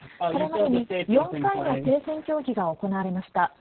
これまでに４回の停戦協議が行われました。